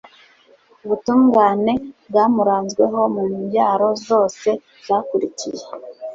ubutungane bwamuranzweho mu mbyaro zose zakurikiye